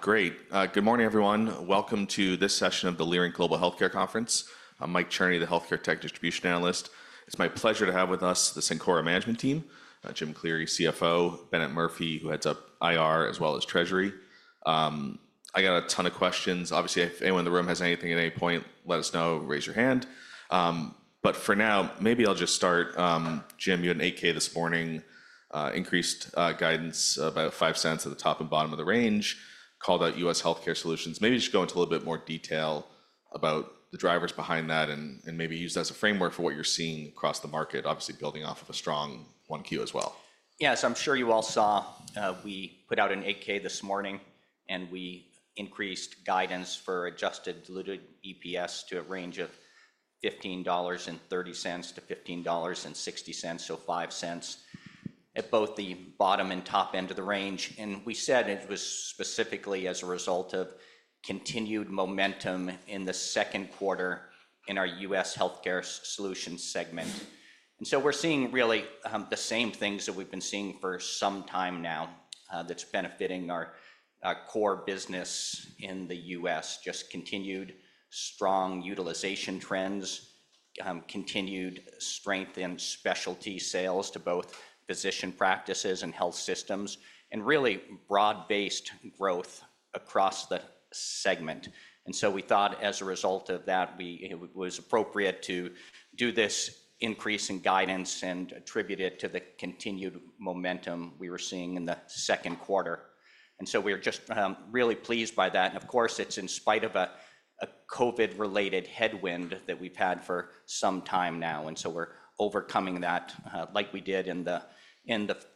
Great. Good morning, everyone. Welcome to this session of the Leerink Global Healthcare Conference. I'm Mike Cherny, the Healthcare Tech Distribution Analyst. It's my pleasure to have with us the Cencora management team, Jim Cleary, CFO, Bennett Murphy, who heads up IR, as well as Treasury. I got a ton of questions. Obviously, if anyone in the room has anything at any point, let us know. Raise your hand. For now, maybe I'll just start. Jim, you had an 8-K this morning, increased guidance by about $0.05 at the top and bottom of the range, called out U.S. Healthcare Solutions. Maybe just go into a little bit more detail about the drivers behind that, and maybe use that as a framework for what you're seeing across the market, obviously building off of a strong 1Q as well. Yes, I'm sure you all saw we put out an 8-K this morning, and we increased guidance for adjusted diluted EPS to a range of $15.30-$15.60, so 5 cents at both the bottom and top end of the range. We said it was specifically as a result of continued momentum in the second quarter in our U.S. healthcare solutions segment. We're seeing really the same things that we've been seeing for some time now that's benefiting our core business in the U.S. Just continued strong utilization trends, continued strength in specialty sales to both physician practices and health systems, and really broad-based growth across the segment. We thought as a result of that, it was appropriate to do this increase in guidance and attribute it to the continued momentum we were seeing in the second quarter. We're just really pleased by that. Of course, it's in spite of a COVID-related headwind that we've had for some time now. We're overcoming that like we did in the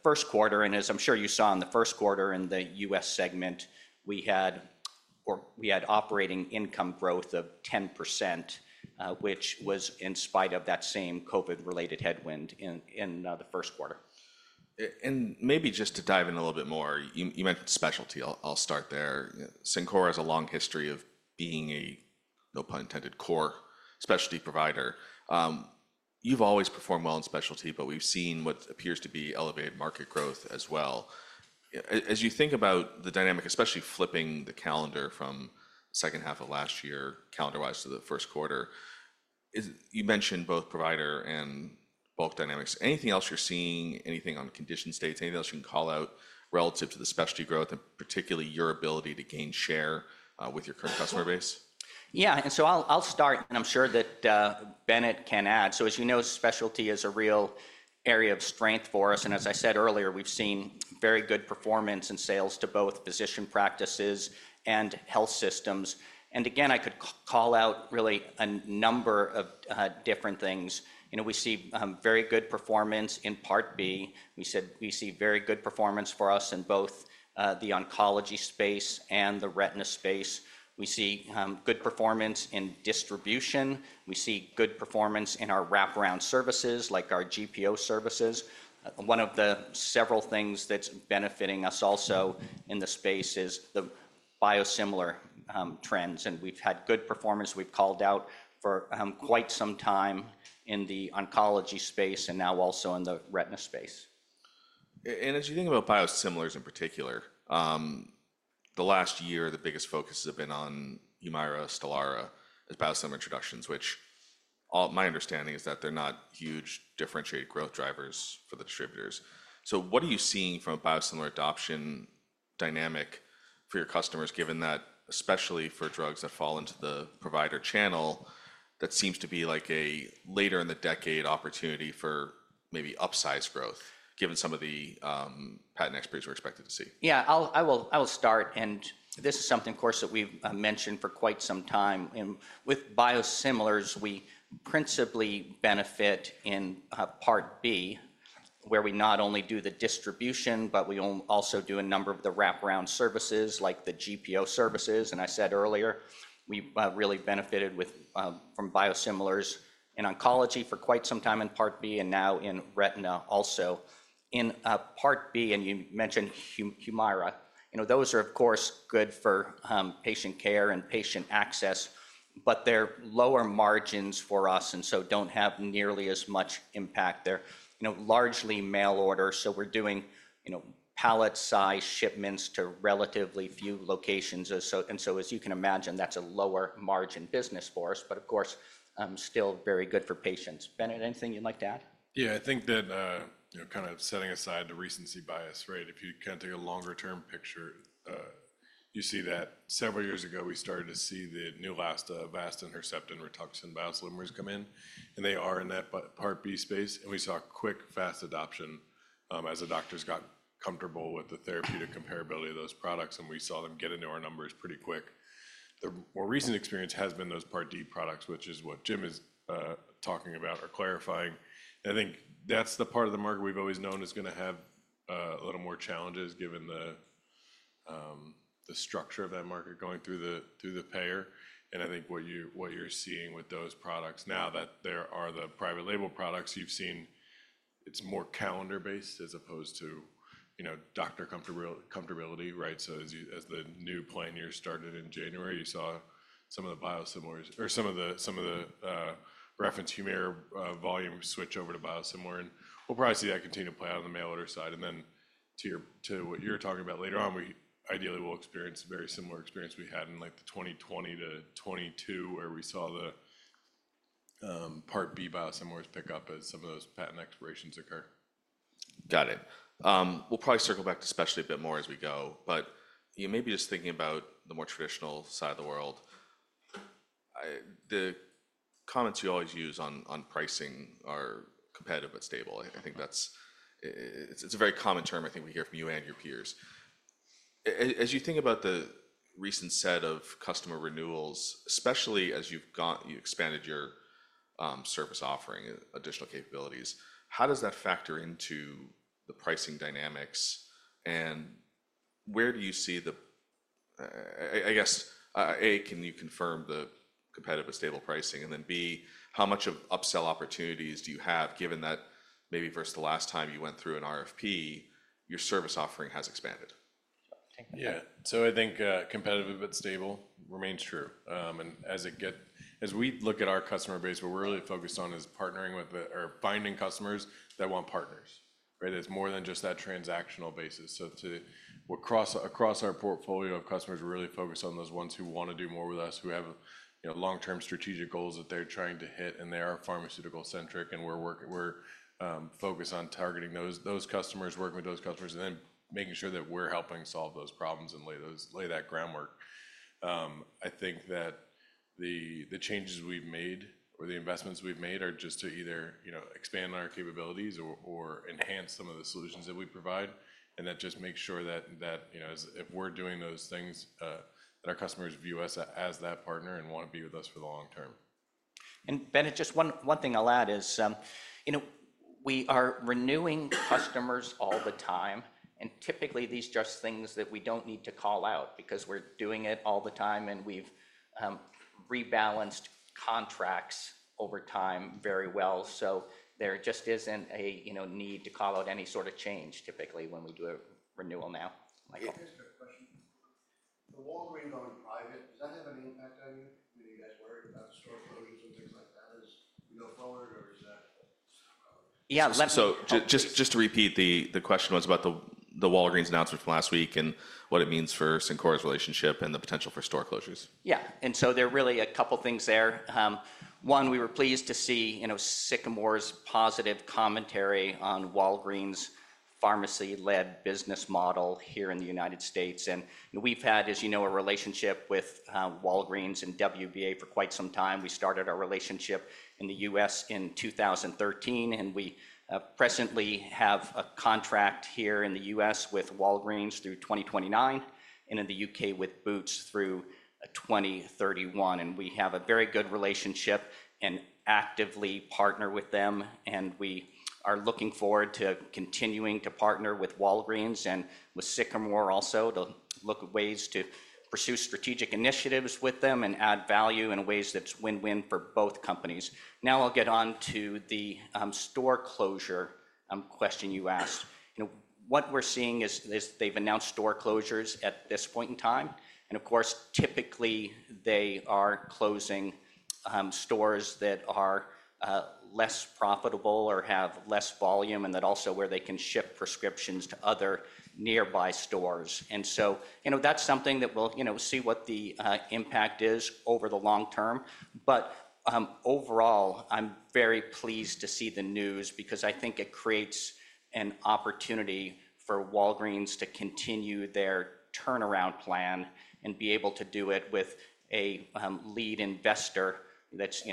first quarter. As I'm sure you saw in the first quarter in the U.S. segment, we had operating income growth of 10%, which was in spite of that same COVID-related headwind in the first quarter. Maybe just to dive in a little bit more, you mentioned specialty. I'll start there. Cencora has a long history of being a, no pun intended, core specialty provider. You've always performed well in specialty, but we've seen what appears to be elevated market growth as well. As you think about the dynamic, especially flipping the calendar from second half of last year calendar-wise to the first quarter, you mentioned both provider and bulk dynamics. Anything else you're seeing? Anything on condition states? Anything else you can call out relative to the specialty growth, and particularly your ability to gain share with your current customer base? Yeah, and I'll start, and I'm sure that Bennett can add. As you know, specialty is a real area of strength for us. As I said earlier, we've seen very good performance and sales to both physician practices and health systems. I could call out really a number of different things. We see very good performance in Part B. We see very good performance for us in both the oncology space and the retina space. We see good performance in distribution. We see good performance in our wraparound services, like our GPO services. One of the several things that's benefiting us also in the space is the biosimilar trends. We've had good performance. We've called out for quite some time in the oncology space and now also in the retina space. As you think about biosimilars in particular, the last year, the biggest focus has been on Humira, Stelara, as biosimilar introductions, which my understanding is that they're not huge differentiated growth drivers for the distributors. What are you seeing from a biosimilar adoption dynamic for your customers, given that, especially for drugs that fall into the provider channel, that seems to be like a later in the decade opportunity for maybe upsize growth, given some of the patent expertise we're expected to see? Yeah, I will start. This is something, of course, that we've mentioned for quite some time. With biosimilars, we principally benefit in Part B, where we not only do the distribution, but we also do a number of the wraparound services, like the GPO services. I said earlier, we really benefited from biosimilars in oncology for quite some time in Part B and now in retina also. In Part B, and you mentioned Humira, those are, of course, good for patient care and patient access, but they're lower margins for us and so do not have nearly as much impact. They're largely mail order, so we're doing pallet-sized shipments to relatively few locations. As you can imagine, that's a lower margin business for us, but of course, still very good for patients. Bennett, anything you'd like to add? Yeah, I think that kind of setting aside the recency bias, right, if you kind of take a longer-term picture, you see that several years ago, we started to see the Neulasta, Avastin, Herceptin, Rituxan, biosimilars come in, and they are in that Part B space. We saw quick, fast adoption as the doctors got comfortable with the therapeutic comparability of those products, and we saw them get into our numbers pretty quick. The more recent experience has been those Part D products, which is what Jim is talking about or clarifying. I think that's the part of the market we've always known is going to have a little more challenges given the structure of that market going through the payer. I think what you're seeing with those products now that there are the private label products, you've seen it's more calendar-based as opposed to doctor comfortability, right? As the new plan year started in January, you saw some of the biosimilars or some of the reference Humira volume switch over to biosimilar. We'll probably see that continue to play out on the mail order side. To what you're talking about later on, we ideally will experience a very similar experience we had in like the 2020 to 2022, where we saw the Part B biosimilars pick up as some of those patent expirations occur. Got it. We'll probably circle back to specialty a bit more as we go. Maybe just thinking about the more traditional side of the world, the comments you always use on pricing are competitive but stable. I think that's a very common term I think we hear from you and your peers. As you think about the recent set of customer renewals, especially as you've expanded your service offering, additional capabilities, how does that factor into the pricing dynamics? Where do you see the, I guess, A, can you confirm the competitive but stable pricing? Then B, how much of upsell opportunities do you have given that maybe versus the last time you went through an RFP, your service offering has expanded? Yeah, I think competitive but stable remains true. As we look at our customer base, what we're really focused on is partnering with or finding customers that want partners, right? It's more than just that transactional basis. Across our portfolio of customers, we're really focused on those ones who want to do more with us, who have long-term strategic goals that they're trying to hit. They are pharmaceutical-centric, and we're focused on targeting those customers, working with those customers, and then making sure that we're helping solve those problems and lay that groundwork. I think that the changes we've made or the investments we've made are just to either expand on our capabilities or enhance some of the solutions that we provide. That just makes sure that if we're doing those things, that our customers view us as that partner and want to be with us for the long term. Bennett, just one thing I'll add is we are renewing customers all the time. Typically, these are just things that we don't need to call out because we're doing it all the time, and we've rebalanced contracts over time very well. There just isn't a need to call out any sort of change typically when we do a renewal now. Hey, thanks for the question. The Walgreens going private, does that have an impact on you? I mean, are you guys worried about store closures and things like that as we go forward, or is that? Yeah, just to repeat, the question was about the Walgreens announcement from last week and what it means for Cencora's relationship and the potential for store closures. Yeah, and so there are really a couple of things there. One, we were pleased to see Sycamore's positive commentary on Walgreens' pharmacy-led business model here in the U.S. We have had, as you know, a relationship with Walgreens and WBA for quite some time. We started our relationship in the U.S. in 2013, and we presently have a contract here in the U.S. with Walgreens through 2029, and in the U.K. with Boots through 2031. We have a very good relationship and actively partner with them. We are looking forward to continuing to partner with Walgreens and with Sycamore also to look at ways to pursue strategic initiatives with them and add value in ways that are win-win for both companies. Now I'll get on to the store closure question you asked. What we are seeing is they have announced store closures at this point in time. Of course, typically, they are closing stores that are less profitable or have less volume, and that also where they can ship prescriptions to other nearby stores. That is something that we'll see what the impact is over the long term. Overall, I'm very pleased to see the news because I think it creates an opportunity for Walgreens to continue their turnaround plan and be able to do it with a lead investor that's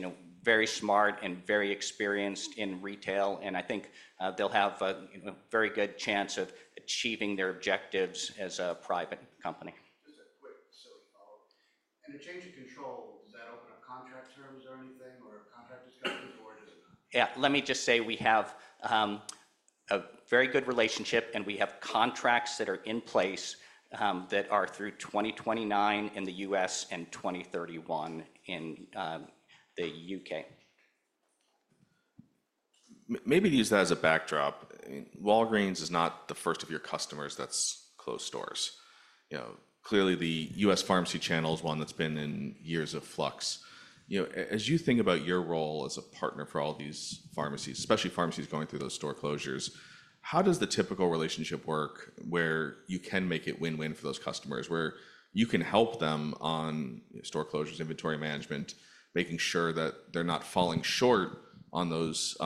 very smart and very experienced in retail. I think they'll have a very good chance of achieving their objectives as a private company. Just a quick silly follow-up. In a change of control, does that open up contract terms or anything or contract discussions, or does it not? Yeah, let me just say we have a very good relationship, and we have contracts that are in place that are through 2029 in the U.S. and 2031 in the U.K. Maybe use that as a backdrop. Walgreens is not the first of your customers that's closed stores. Clearly, the U.S. pharmacy channel is one that's been in years of flux. As you think about your role as a partner for all these pharmacies, especially pharmacies going through those store closures, how does the typical relationship work where you can make it win-win for those customers, where you can help them on store closures, inventory management, making sure that they're not falling short on those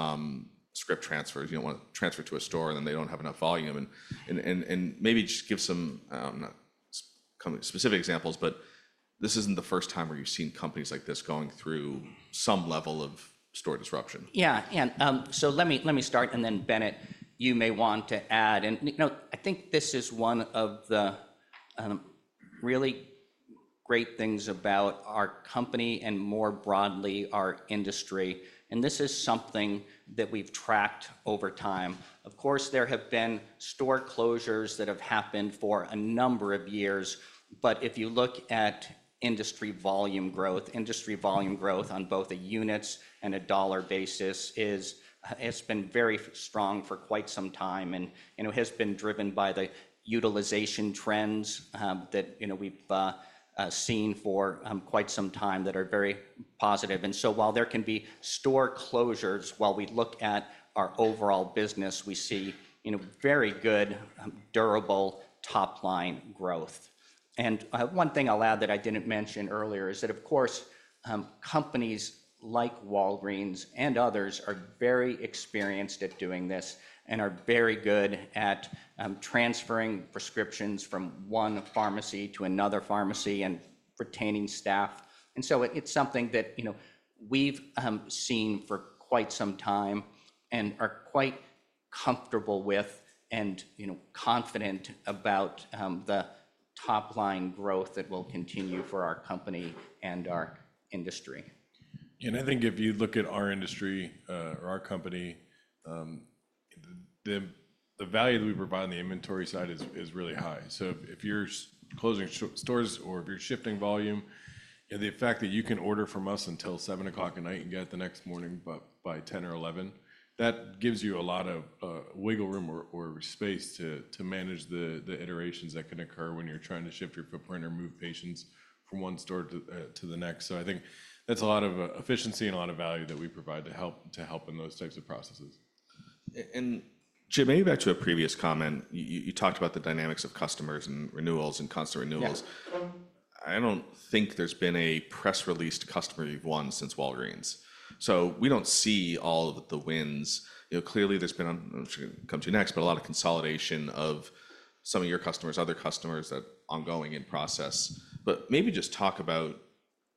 script transfers? You don't want to transfer to a store, and then they don't have enough volume. Maybe just give some specific examples, but this isn't the first time where you've seen companies like this going through some level of store disruption. Yeah, let me start, and then Bennett, you may want to add. I think this is one of the really great things about our company and more broadly our industry. This is something that we've tracked over time. Of course, there have been store closures that have happened for a number of years. If you look at industry volume growth, industry volume growth on both a units and a dollar basis has been very strong for quite some time and has been driven by the utilization trends that we've seen for quite some time that are very positive. While there can be store closures, while we look at our overall business, we see very good, durable top-line growth. One thing I'll add that I didn't mention earlier is that, of course, companies like Walgreens and others are very experienced at doing this and are very good at transferring prescriptions from one pharmacy to another pharmacy and retaining staff. It is something that we've seen for quite some time and are quite comfortable with and confident about the top-line growth that will continue for our company and our industry. I think if you look at our industry or our company, the value that we provide on the inventory side is really high. If you're closing stores or if you're shifting volume, the fact that you can order from us until 7:00 P.M. and get it the next morning by 10:00 or 11:00, that gives you a lot of wiggle room or space to manage the iterations that can occur when you're trying to shift your footprint or move patients from one store to the next. I think that's a lot of efficiency and a lot of value that we provide to help in those types of processes. Jim, maybe back to a previous comment. You talked about the dynamics of customers and renewals and constant renewals. I do not think there has been a press release to customer you have won since Walgreens. We do not see all of the wins. Clearly, there has been, I am sure you can come to next, but a lot of consolidation of some of your customers, other customers that are ongoing in process. Maybe just talk about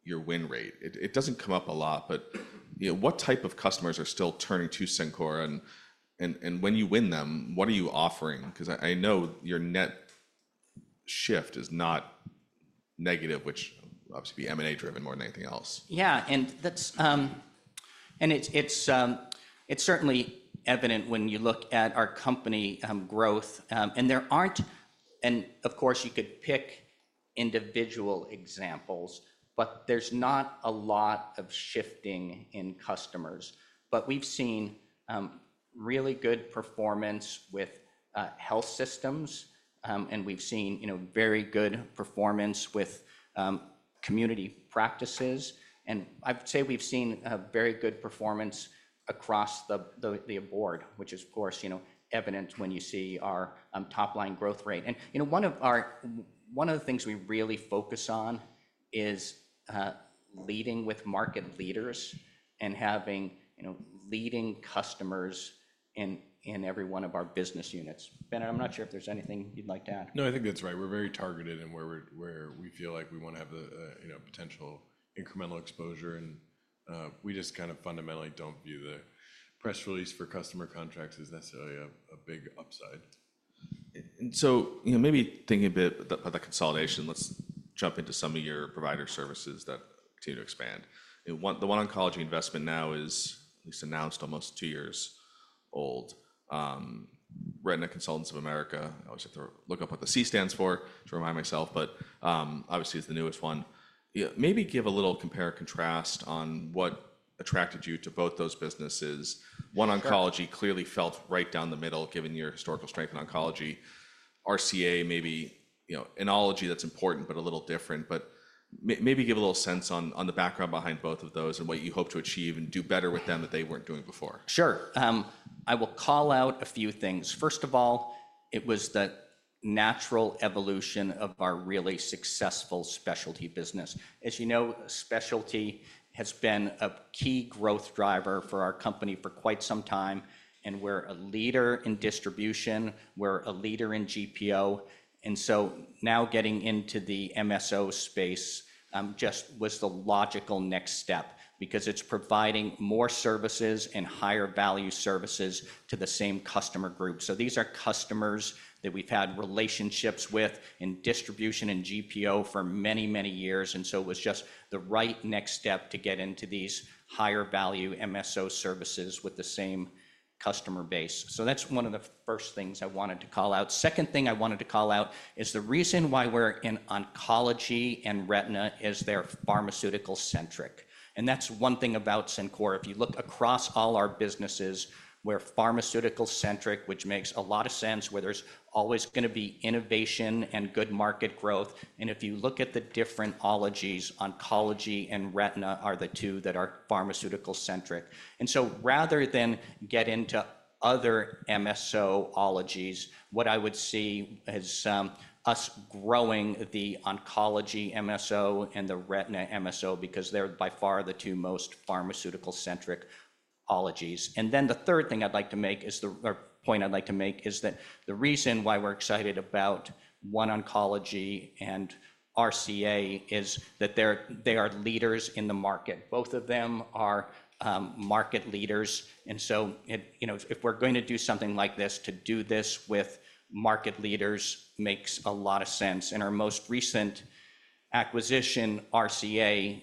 your win rate. It does not come up a lot, but what type of customers are still turning to Cencora? When you win them, what are you offering? I know your net shift is not negative, which obviously would be M&A-driven more than anything else. Yeah, and it's certainly evident when you look at our company growth. You could pick individual examples, but there's not a lot of shifting in customers. We've seen really good performance with health systems, and we've seen very good performance with community practices. I would say we've seen very good performance across the board, which is, of course, evident when you see our top-line growth rate. One of the things we really focus on is leading with market leaders and having leading customers in every one of our business units. Bennett, I'm not sure if there's anything you'd like to add. No, I think that's right. We're very targeted in where we feel like we want to have potential incremental exposure. We just kind of fundamentally don't view the press release for customer contracts as necessarily a big upside. Maybe thinking a bit about the consolidation, let's jump into some of your provider services that continue to expand. The OneOncology investment now is at least announced almost two years old. Retina Consultants of America, I always have to look up what the C stands for to remind myself, but obviously is the newest one. Maybe give a little compare and contrast on what attracted you to both those businesses. OneOncology clearly felt right down the middle given your historical strength in oncology. RCA, maybe an analogy that's important, but a little different. Maybe give a little sense on the background behind both of those and what you hope to achieve and do better with them that they weren't doing before. Sure. I will call out a few things. First of all, it was the natural evolution of our really successful specialty business. As you know, specialty has been a key growth driver for our company for quite some time. We're a leader in distribution. We're a leader in GPO. Now getting into the MSO space just was the logical next step because it's providing more services and higher value services to the same customer group. These are customers that we've had relationships with in distribution and GPO for many, many years. It was just the right next step to get into these higher value MSO services with the same customer base. That's one of the first things I wanted to call out. The second thing I wanted to call out is the reason why we're in oncology and retina is they're pharmaceutical-centric. That's one thing about Cencora. If you look across all our businesses, we're pharmaceutical-centric, which makes a lot of sense, where there's always going to be innovation and good market growth. If you look at the different ologies, oncology and retina are the two that are pharmaceutical-centric. Rather than get into other MSO ologies, what I would see is us growing the oncology MSO and the retina MSO because they're by far the two most pharmaceutical-centric ologies. The third thing I'd like to make is the point I'd like to make is that the reason why we're excited about OneOncology and RCA is that they are leaders in the market. Both of them are market leaders. If we're going to do something like this, to do this with market leaders makes a lot of sense. Our most recent acquisition, RCA,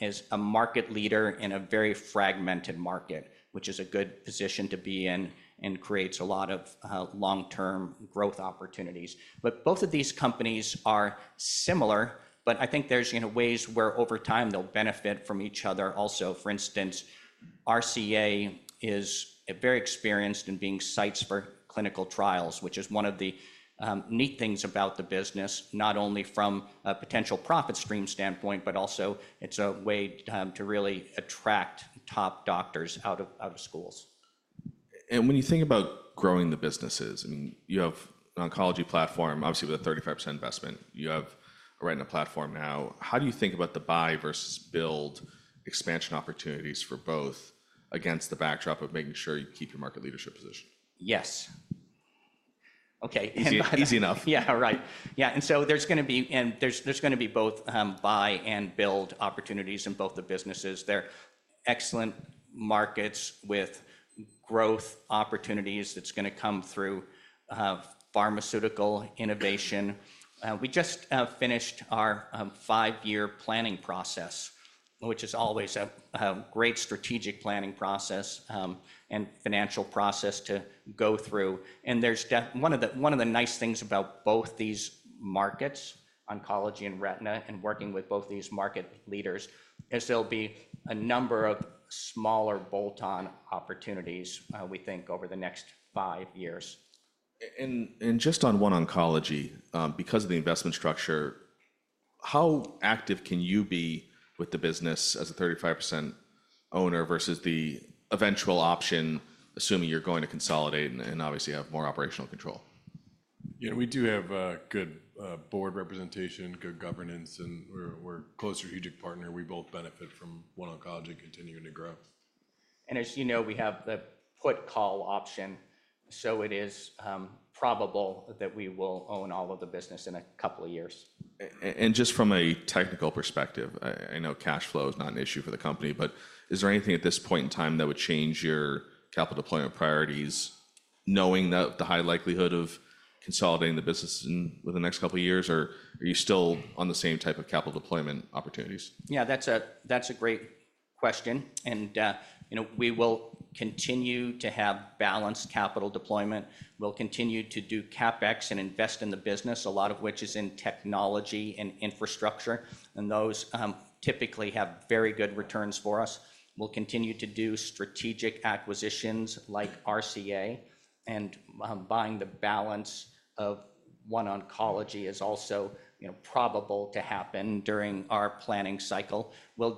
is a market leader in a very fragmented market, which is a good position to be in and creates a lot of long-term growth opportunities. Both of these companies are similar, but I think there are ways where over time they'll benefit from each other also. For instance, RCA is very experienced in being sites for clinical trials, which is one of the neat things about the business, not only from a potential profit stream standpoint, but also it's a way to really attract top doctors out of schools. When you think about growing the businesses, I mean, you have an oncology platform, obviously with a 35% investment. You have a retina platform now. How do you think about the buy versus build expansion opportunities for both against the backdrop of making sure you keep your market leadership position? Yes. Okay. Easy enough. Yeah, right. Yeah, and so there's going to be both buy and build opportunities in both the businesses. They're excellent markets with growth opportunities. It's going to come through pharmaceutical innovation. We just finished our five-year planning process, which is always a great strategic planning process and financial process to go through. One of the nice things about both these markets, oncology and retina, and working with both these market leaders is there'll be a number of smaller bolt-on opportunities, we think, over the next five years. Just on OneOncology, because of the investment structure, how active can you be with the business as a 35% owner versus the eventual option, assuming you're going to consolidate and obviously have more operational control? We do have good board representation, good governance, and we're a close strategic partner. We both benefit from OneOncology continuing to grow. As you know, we have the put-call option. It is probable that we will own all of the business in a couple of years. Just from a technical perspective, I know cash flow is not an issue for the company, but is there anything at this point in time that would change your capital deployment priorities, knowing the high likelihood of consolidating the business within the next couple of years, or are you still on the same type of capital deployment opportunities? Yeah, that's a great question. We will continue to have balanced capital deployment. We'll continue to do CapEx and invest in the business, a lot of which is in technology and infrastructure. Those typically have very good returns for us. We'll continue to do strategic acquisitions like RCA. Buying the balance of OneOncology is also probable to happen during our planning cycle. We'll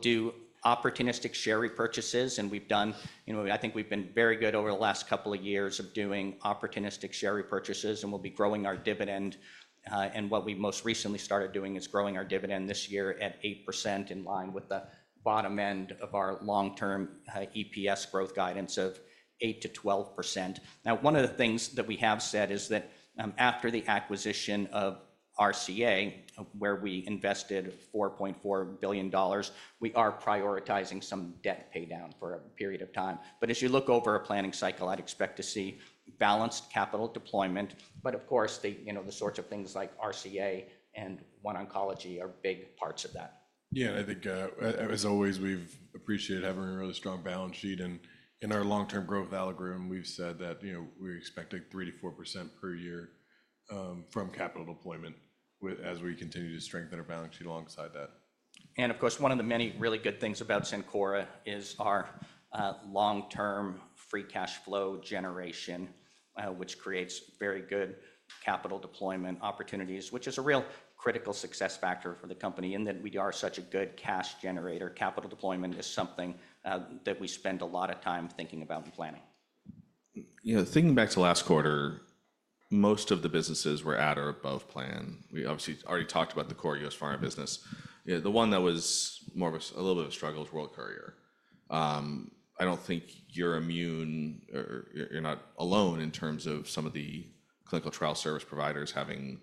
do opportunistic share repurchases. I think we've been very good over the last couple of years of doing opportunistic share repurchases. We'll be growing our dividend. What we most recently started doing is growing our dividend this year at 8% in line with the bottom end of our long-term EPS growth guidance of 8%-12%. Now, one of the things that we have said is that after the acquisition of RCA, where we invested $4.4 billion, we are prioritizing some debt paydown for a period of time. As you look over a planning cycle, I'd expect to see balanced capital deployment. Of course, the sorts of things like RCA and OneOncology are big parts of that. Yeah, I think, as always, we've appreciated having a really strong balance sheet. In our long-term growth algorithm, we've said that we expect a 3%-4% per year from capital deployment as we continue to strengthen our balance sheet alongside that. Of course, one of the many really good things about Cencora is our long-term free cash flow generation, which creates very good capital deployment opportunities, which is a real critical success factor for the company in that we are such a good cash generator. Capital deployment is something that we spend a lot of time thinking about and planning. Yeah, thinking back to last quarter, most of the businesses were at or above plan. We obviously already talked about the core U.S. pharma business. The one that was more of a little bit of a struggle was World Courier. I don't think you're immune or you're not alone in terms of some of the clinical trial service providers having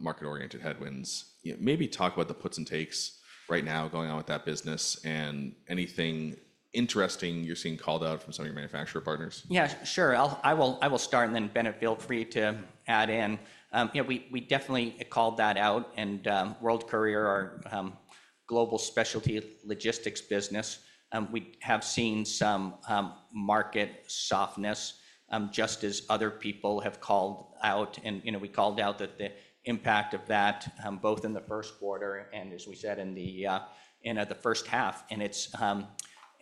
market-oriented headwinds. Maybe talk about the puts and takes right now going on with that business and anything interesting you're seeing called out from some of your manufacturer partners. Yeah, sure. I will start, and then Bennett, feel free to add in. We definitely called that out. World Courier, our global specialty logistics business, we have seen some market softness, just as other people have called out. We called out the impact of that both in the first quarter and, as we said, in the first half.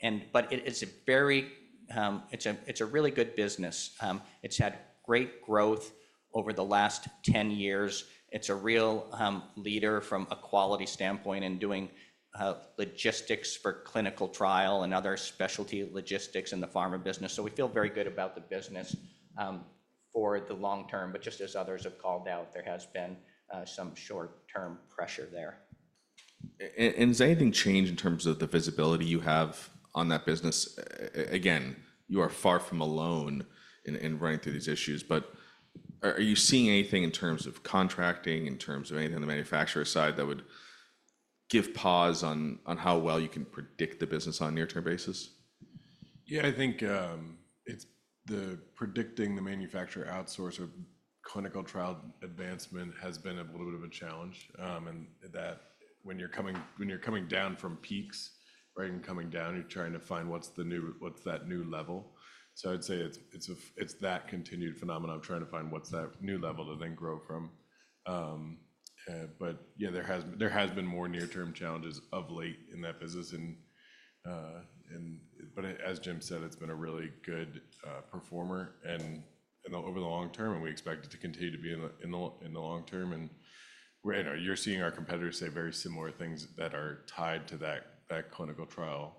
It is a really good business. It has had great growth over the last 10 years. It is a real leader from a quality standpoint in doing logistics for clinical trial and other specialty logistics in the pharma business. We feel very good about the business for the long term. Just as others have called out, there has been some short-term pressure there. Has anything changed in terms of the visibility you have on that business? You are far from alone in running through these issues. Are you seeing anything in terms of contracting, in terms of anything on the manufacturer side that would give pause on how well you can predict the business on a near-term basis? Yeah, I think predicting the manufacturer outsource of clinical trial advancement has been a little bit of a challenge. When you're coming down from peaks, right, and coming down, you're trying to find what's that new level. I'd say it's that continued phenomenon. I'm trying to find what's that new level to then grow from. There has been more near-term challenges of late in that business. As Jim said, it's been a really good performer over the long term, and we expect it to continue to be in the long term. You're seeing our competitors say very similar things that are tied to that clinical trial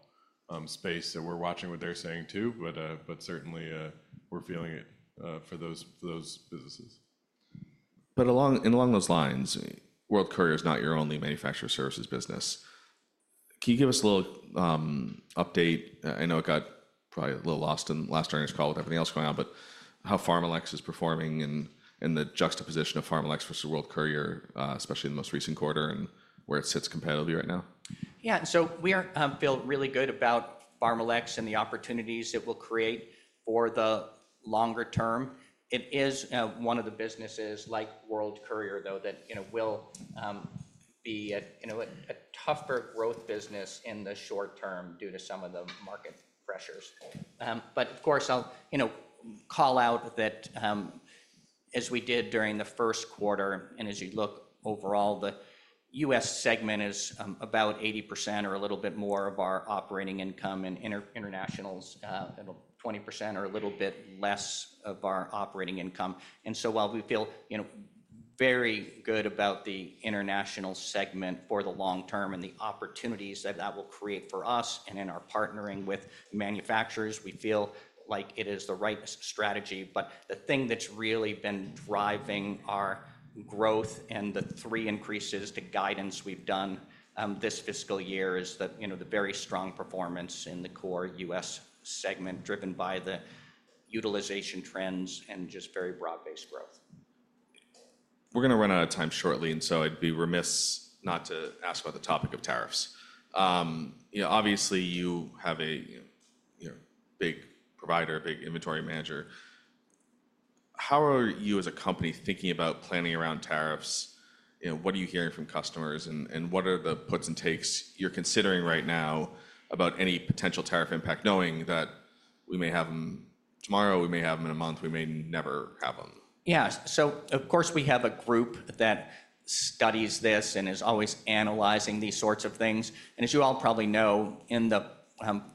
space. We're watching what they're saying too, but certainly we're feeling it for those businesses. Along those lines, World Courier is not your only manufacturer services business. Can you give us a little update? I know it got probably a little lost in last earnings call with everything else going on, but how PharmaLex is performing and the juxtaposition of PharmaLex versus World Courier, especially in the most recent quarter and where it sits competitively right now? Yeah, so we feel really good about PharmaLex and the opportunities it will create for the longer term. It is one of the businesses like World Courier, though, that will be a tougher growth business in the short term due to some of the market pressures. Of course, I'll call out that as we did during the first quarter, and as you look overall, the U.S. segment is about 80% or a little bit more of our operating income and international is at 20% or a little bit less of our operating income. While we feel very good about the international segment for the long term and the opportunities that that will create for us and in our partnering with manufacturers, we feel like it is the right strategy. The thing that's really been driving our growth and the three increases to guidance we've done this fiscal year is the very strong performance in the core U.S. segment driven by the utilization trends and just very broad-based growth. We're going to run out of time shortly, and so I'd be remiss not to ask about the topic of tariffs. Obviously, you have a big provider, a big inventory manager. How are you as a company thinking about planning around tariffs? What are you hearing from customers, and what are the puts and takes you're considering right now about any potential tariff impact, knowing that we may have them tomorrow, we may have them in a month, we may never have them? Yeah, of course, we have a group that studies this and is always analyzing these sorts of things. As you all probably know, in the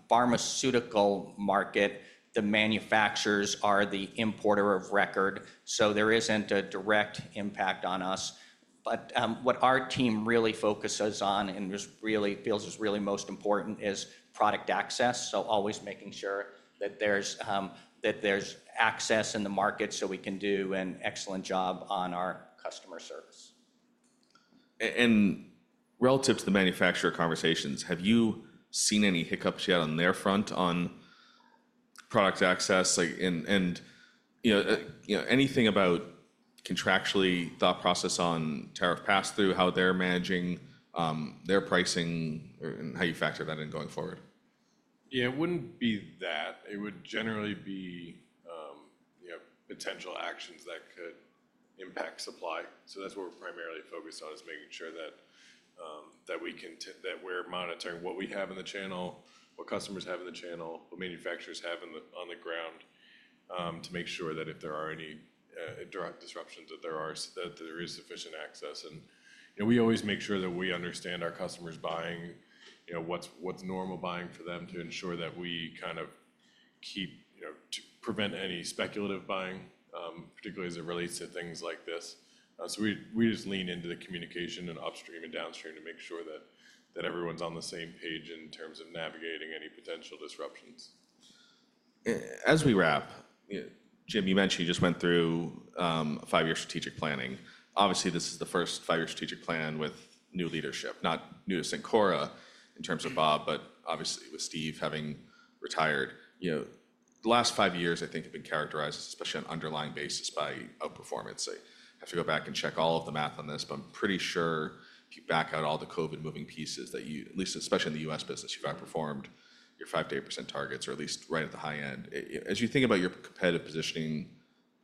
pharmaceutical market, the manufacturers are the importer of record. There is not a direct impact on us. What our team really focuses on and really feels is really most important is product access. Always making sure that there is access in the market so we can do an excellent job on our customer service. Relative to the manufacturer conversations, have you seen any hiccups yet on their front on product access? Anything about contractually thought process on tariff pass-through, how they're managing their pricing, and how you factor that in going forward? Yeah, it would not be that. It would generally be potential actions that could impact supply. That is what we are primarily focused on, making sure that we are monitoring what we have in the channel, what customers have in the channel, what manufacturers have on the ground to make sure that if there are any disruptions, there is sufficient access. We always make sure that we understand our customers' buying, what is normal buying for them to ensure that we kind of keep to prevent any speculative buying, particularly as it relates to things like this. We just lean into the communication upstream and downstream to make sure that everyone is on the same page in terms of navigating any potential disruptions. As we wrap, Jim, you mentioned you just went through a five-year strategic planning. Obviously, this is the first five-year strategic plan with new leadership, not new to Cencora in terms of Bob, but obviously with Steve having retired. The last five years, I think, have been characterized especially on an underlying basis by outperformance. I have to go back and check all of the math on this, but I'm pretty sure if you back out all the COVID-moving pieces that you, at least especially in the U.S. business, you've outperformed your 5-8% targets or at least right at the high end. As you think about your competitive positioning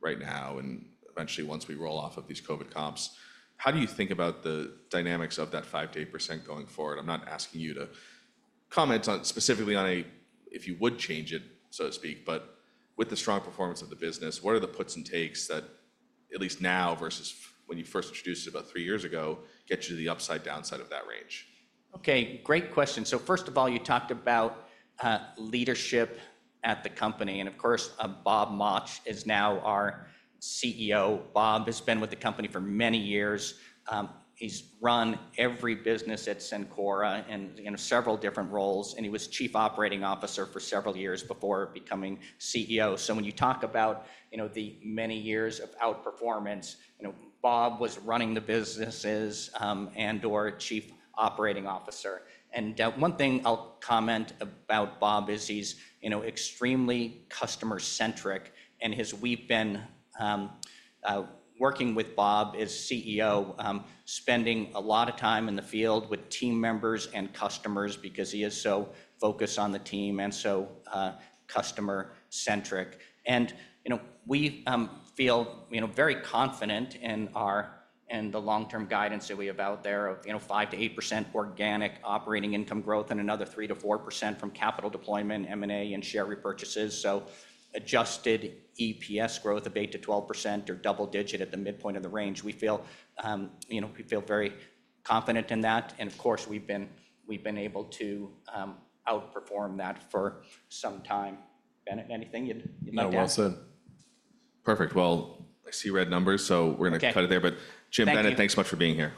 right now and eventually once we roll off of these COVID comps, how do you think about the dynamics of that 5-8% going forward? I'm not asking you to comment specifically on a, if you would change it, so to speak, but with the strong performance of the business, what are the puts and takes that at least now versus when you first introduced it about three years ago get you to the upside downside of that range? Okay, great question. First of all, you talked about leadership at the company. Of course, Bob Mauch is now our CEO. Bob has been with the company for many years. He's run every business at Cencora in several different roles. He was Chief Operating Officer for several years before becoming CEO. When you talk about the many years of outperformance, Bob was running the businesses and/or Chief Operating Officer. One thing I'll comment about Bob is he's extremely customer-centric. We've been working with Bob as CEO, spending a lot of time in the field with team members and customers because he is so focused on the team and so customer-centric. We feel very confident in the long-term guidance that we have out there of 5-8% organic operating income growth and another 3-4% from capital deployment, M&A, and share repurchases. Adjusted EPS growth of 8-12% or double-digit at the midpoint of the range. We feel very confident in that. Of course, we have been able to outperform that for some time. Bennett, anything you'd like to add? No, well said. Perfect. I see red numbers, so we're going to cut it there. Jim, Bennett, thanks so much for being here.